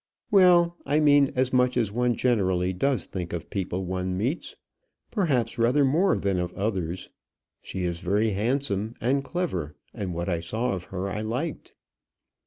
"Well, I mean as much as one does generally think of people one meets perhaps rather more than of others. She is very handsome and clever, and what I saw of her I liked."